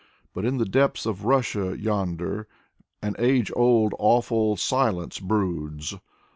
But in the depths of Russia, yonder, An age old awful silence broods.